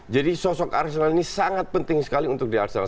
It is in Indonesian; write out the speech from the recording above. jadi sosok arsenal ini sangat penting sekali untuk di arsenal